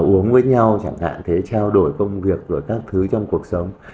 uống với nhau chẳng hạn thế trao đổi công việc rồi các thứ trong cuộc sống